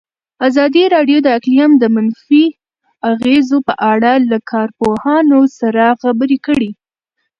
ازادي راډیو د اقلیم د منفي اغېزو په اړه له کارپوهانو سره خبرې کړي.